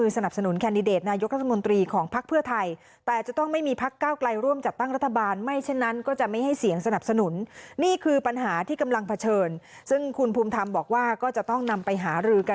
ซึ่งคุณภูมิธรรมบอกว่าก็จะต้องนำไปหารือกัน